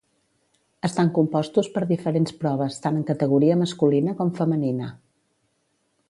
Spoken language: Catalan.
Estan compostos per diferents proves tant en categoria masculina com femenina.